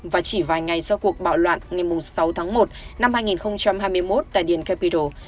vài ngày sau cuộc bạo loạn ngày sáu tháng một năm hai nghìn hai mươi một tại điện capitol